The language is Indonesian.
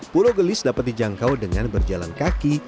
pulau gelis dapat dijangkau dengan berjalan kaki